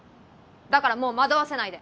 だからもう惑わせないで！